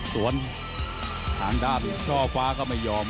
ส่วนทางด้านช่อฟ้าก็ไม่ยอม